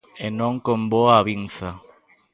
E non con boa avinza.